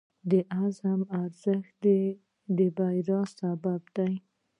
د عزم ارزښت د بریا سبب دی.